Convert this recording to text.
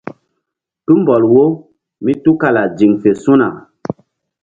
Tumbɔl wo mí tukala ziŋfe su̧na.